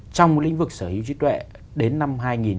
trong lĩnh vực sở hữu trí tuệ đến năm hai nghìn ba mươi